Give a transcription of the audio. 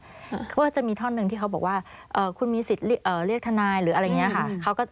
เพราะว่าจะมีท่อนหนึ่งที่เขาบอกว่าคุณมีสิทธิ์เรียกทนายหรืออะไรอย่างนี้ค่ะ